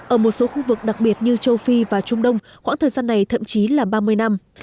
ở một số khu vực đặc biệt như châu phi và trung đông khoảng thời gian này thậm chí là ba mươi năm